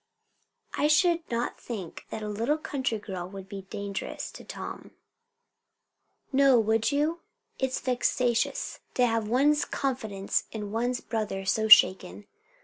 "I should not think a little country girl would be dangerous to Tom." "No, would you? It's vexatious, to have one's confidence in one's brother so shaken."